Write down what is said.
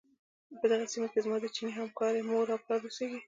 په دغې سيمې کې زما د چيني همکارې مور او پلار اوسيږي.